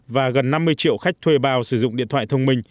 và gần năm mươi triệu khách thuê bao sử dụng điện thoại thông minh